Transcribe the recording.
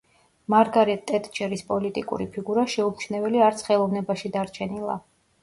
მარგარეტ ტეტჩერის პოლიტიკური ფიგურა შეუმჩნეველი არც ხელოვნებაში დარჩენილა.